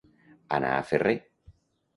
Anar a ferrer.